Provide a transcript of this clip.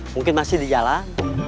mungkin masih di jalan